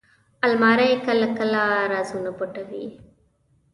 الماري کله کله رازونه پټوي